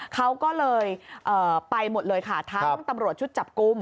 เขาก็เลยไปหมดเลยค่ะทั้งตำรวจชุดจับกลุ่ม